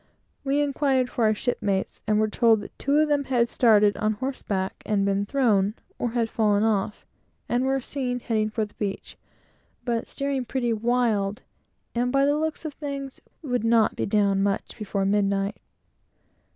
We inquired for our shipmates, and were told that two of them had started on horseback and had been thrown or had fallen off, and were seen heading for the beach, but steering pretty wild, and by the looks of things, would not be down much before midnight.